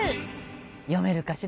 読めるかしら？